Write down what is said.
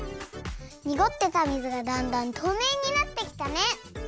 にごってた水がだんだんとうめいになってきたね。